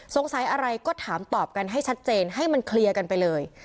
อะไรก็ถามตอบกันให้ชัดเจนให้มันเคลียร์กันไปเลย